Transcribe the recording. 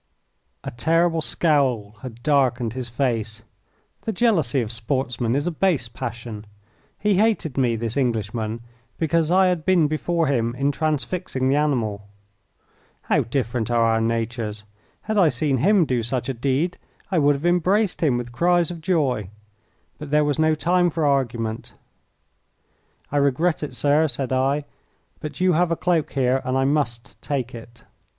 A terrible scowl had darkened his face. The jealousy of sportsmen is a base passion. He hated me, this Englishman, because I had been before him in transfixing the animal. How different are our natures! Had I seen him do such a deed I would have embraced him with cries of joy. But there was no time for argument. "I regret it, sir," said I; "but you have a cloak here and I must take it."